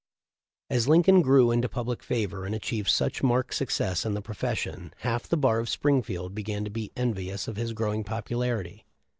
As Lincoln grew into public favor and achieved such marked success in the profession, half the bar of Springfield began to be envious of his growing popularity.